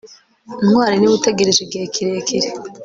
ntwali niwe utegereje igihe kirekire